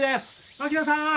槙野さん